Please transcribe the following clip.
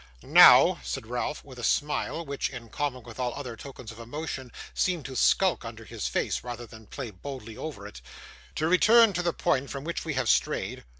'Now,' said Ralph, with a smile, which, in common with all other tokens of emotion, seemed to skulk under his face, rather than play boldly over it 'to return to the point from which we have strayed.